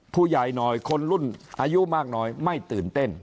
ผู้ใหญ่หน่อยคนรุ่นอายุมากหน่อยไม่ตื่นเต้น